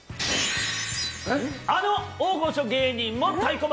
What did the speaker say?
あの大御所芸人も太鼓判！